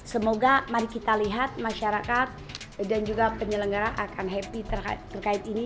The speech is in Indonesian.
semoga mari kita lihat masyarakat dan juga penyelenggara akan happy terkait ini